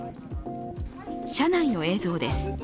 車内の映像です。